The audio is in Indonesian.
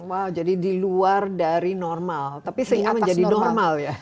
wow jadi di luar dari normal tapi sehingga menjadi normal ya